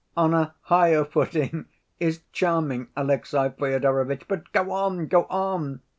" 'On a higher footing' is charming, Alexey Fyodorovitch; but go on, go on!"